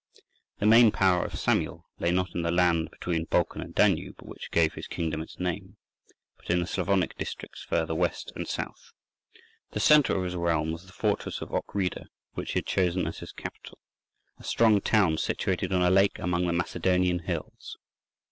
The main power of Samuel lay not in the land between Balkan and Danube, which gave his kingdom its name, but in the Slavonic districts further West and South. The centre of his realm was the fortress of Ochrida, which he had chosen as his capital—a strong town situated on a lake among the Macedonian hills.